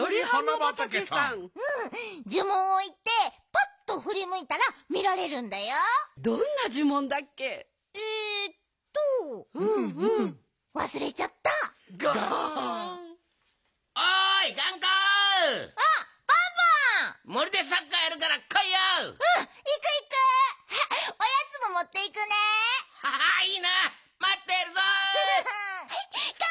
まってるぞ。